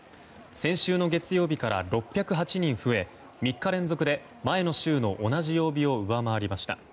先週の月曜日から６０８人増え３日連続で前の週の同じ曜日を上回りました。